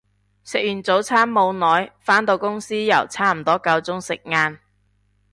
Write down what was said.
食完早餐冇耐，返到公司又差唔多夠鐘食晏